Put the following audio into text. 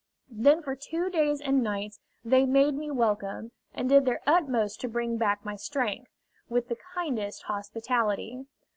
Then for two days and nights they made me welcome, and did their utmost to bring back my strength, with the kindest hospitality.